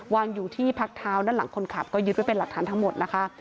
วางอยู่ที่พักเท้าด้านหลังคนขับก็ยึดไว้เป็นหลักฐานทั้งหมดนะคะ